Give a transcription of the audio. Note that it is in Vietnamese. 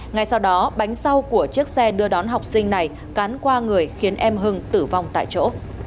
ngay sau đó bánh sau của chiếc xe đưa đón học sinh này cán qua người khiến em hưng tử vong tại chỗ